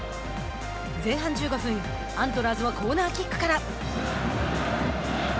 前半１５分、アントラーズはコーナーキックから。